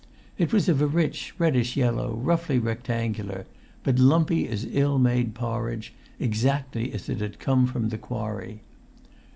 It was of a rich reddish yellow, roughly rectangular, but lumpy as ill made porridge, exactly as it had come from the quarry.